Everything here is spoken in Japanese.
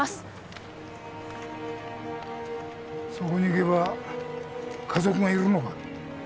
そこに行けば家族がいるのか？